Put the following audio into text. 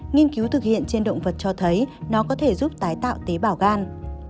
nghiên cứu thực hiện trên động vật cho thấy nó có thể giúp tái tạo tế bào gan